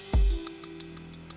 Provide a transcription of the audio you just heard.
saya niatnya cuma besuk anaknya